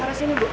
parah sini bu